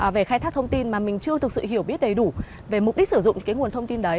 về khai thác thông tin mà mình chưa thực sự hiểu biết đầy đủ về mục đích sử dụng cái nguồn thông tin đấy